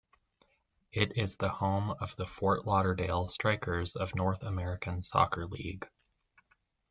It is the home of the Fort Lauderdale Strikers of North American Soccer League.